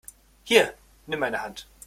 Hier, nimm meine Hand!